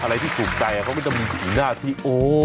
อะไรที่สุขใจเขาไม่ต้องมีหน้าที่โอ้